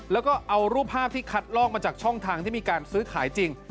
แล้วก็เอารูปภาพที่คัดลอกมาจากช่องทางที่มีการซื้อขายจริง